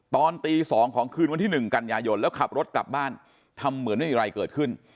ตอนตี๒ของคืนวันที่๑กันยายนแล้วขับรถกลับบ้านทำเหมือนไม่มีอะไรเกิดขึ้น